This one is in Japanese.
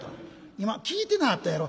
今聞いてなはったやろ。